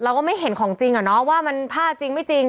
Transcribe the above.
เราก็ไม่เห็นของจริงอ่ะเนาะ